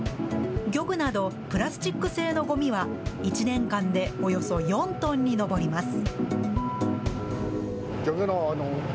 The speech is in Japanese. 漁具など、プラスチック製のごみは、１年間でおよそ４トンに上ります。